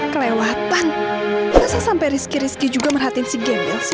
kelewatan masa sampai rizky rizky juga merhatiin si gembel sih